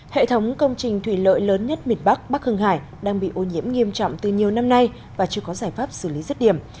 hệ thống công trình thủy lợi lớn nhất miền bắc bắc hưng hải đang bị ô nhiễm nghiêm trọng từ nhiều năm nay và chưa có giải pháp xử lý rứt điểm